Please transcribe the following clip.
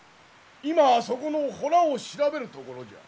今そこの洞を調べるところじゃ。